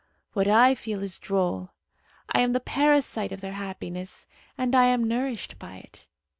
What I feel is droll. I am the parasite of their happiness, and I am nourished by it."